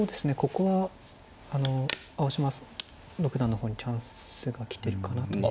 ここは青嶋六段の方にチャンスが来てるかなという。